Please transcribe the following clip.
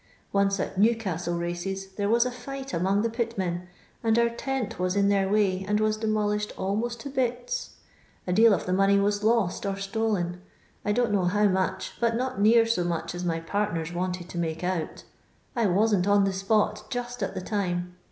Once at Newcastle races there was a fight among the pitman, and our tent was in their way, and was demolished almost to bits. A deal of the money was lost or stolen. I don't know how much, but not near so much as my partners wanted to make out I wasn't on the spot just at the timf.